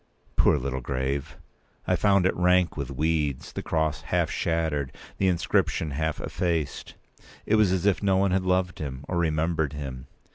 Poor little grave! I found it rank with weeds, the cross half shattered, the inscription half effaced. It was as if no one had loved him, or remembered him.